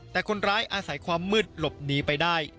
แต่คนร้ายอาศัยความมืดหลบหนีไปได้